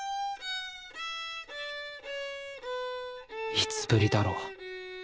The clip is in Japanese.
いつぶりだろう。